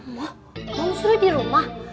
mams kamu suruh di rumah